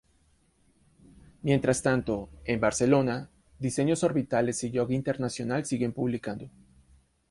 Mientras tanto, en Barcelona, Diseños Orbitales y Joc Internacional siguen publicando.